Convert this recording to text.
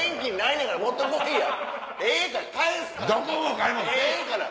ええから！